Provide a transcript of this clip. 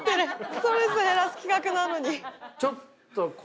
ストレス減らす企画なのに。